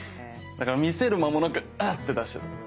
だから見せる間もなくあぁ！って出しちゃった。